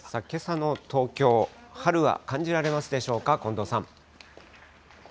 けさの東京、春は感じられますでしょうか、近藤さん。